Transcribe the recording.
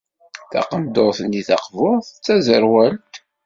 Taqendurt-inu taqburt d taẓerwalt.